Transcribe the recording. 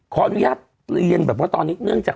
ขออนุญาตเรียนแบบว่าตอนนี้เนื่องจาก